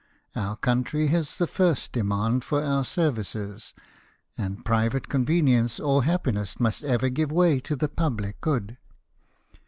Our country has the first demand for our services ; and private con venience or happiness must ever give way to the pubUc good.